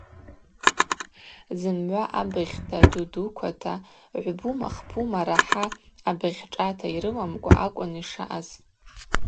Зымгӏва абыгъьта, дудуквата, гӏвбума-хпума рахӏа абыгъьшӏата йрыламкӏва акӏвын йшаъаз.